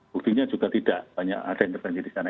buktinya juga tidak banyak ada intervensi di sana